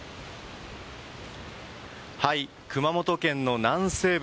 熊本県の南西部